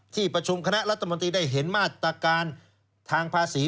ที่ประชุมคณะรัฐมนตรีได้เห็นมาตรการทางภาษี